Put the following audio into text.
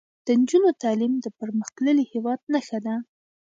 د نجونو تعلیم د پرمختللي هیواد نښه ده.